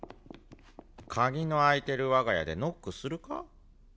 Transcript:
鍵の開いてる我が家でノックするか？